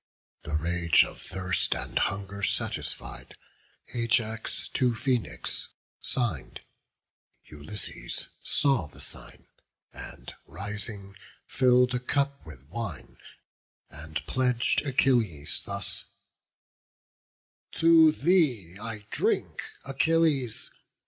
The rage of thirst and hunger satisfied, Ajax to Phoenix sign'd: Ulysses saw The sign, and rising, fill'd a cup with wine, And pledg'd Achilles thus: "To thee I drink, Achilles!